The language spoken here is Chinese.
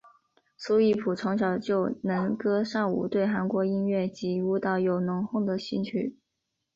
苏一晋从小能歌善舞对韩国音乐及舞蹈有浓厚的兴趣。